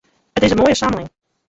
It is in moaie samling.